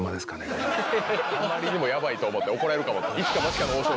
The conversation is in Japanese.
あまりにもヤバいと思って怒られるかもって。